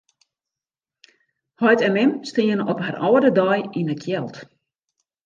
Heit en mem steane op har âlde dei yn 'e kjeld.